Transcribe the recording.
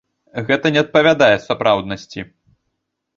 Гэта не адпавядае сапраўднасці.